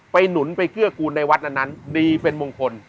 หนุนไปเกื้อกูลในวัดนั้นดีเป็นมงคล